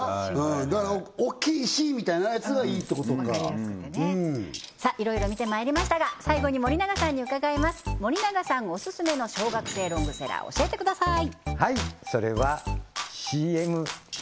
だからおっきい石みたいなやつがいいってことか分かりやすくてねさあ色々見てまいりましたが最後に森永さんに伺います森永さんオススメの小学生ロングセラー教えてください